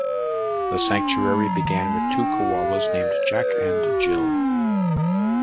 The sanctuary began with two koalas called Jack and Jill.